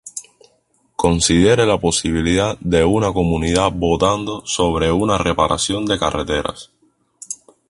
Considere la posibilidad de una comunidad votando sobre una reparación de carreteras.